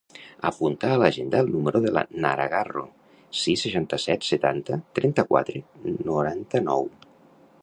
Apunta a l'agenda el número de la Nara Garro: sis, seixanta-set, setanta, trenta-quatre, noranta-nou.